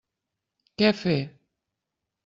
Què fer?